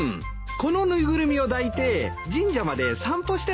この縫いぐるみを抱いて神社まで散歩してほしいんだ。